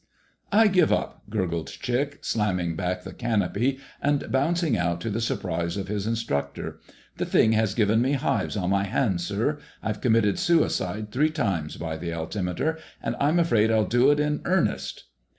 "I give up!" gurgled Chick, slamming back the canopy and bouncing out to the surprise of his instructor. "The thing has given me hives on my hands, sir. I've committed suicide three times by the altimeter, and I'm afraid I'll do it in earnest!"